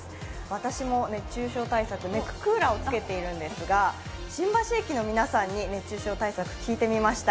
私も熱中症対策、ネッククーラーをつけているんですが新橋駅の皆さんに熱中症対策、聞いてみました。